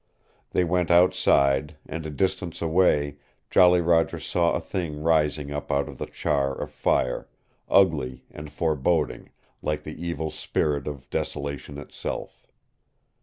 They went outside and a distance away Jolly Roger saw a thing rising up out of the char of fire, ugly and foreboding, like the evil spirit of desolation itself.